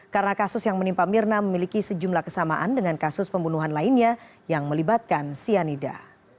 karena kasus yang menimpa mirna memiliki sejumlah kesamaan dengan kasus pembunuhan lainnya yang melibatkan sianida